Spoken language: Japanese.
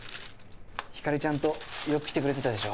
光莉ちゃんとよく来てくれてたでしょ。